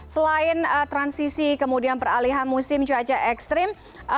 selain transisi kemudian peralihan musim cuaca ekstrim